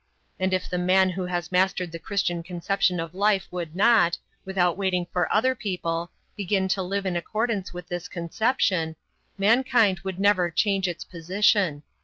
And if the man who has mastered the Christian conception of life would not, without waiting for other people, begin to live in accordance with this conception, mankind would never change its position.